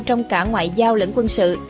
trong cả ngoại giao lẫn quốc